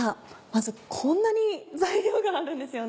まずこんなに材料があるんですよね。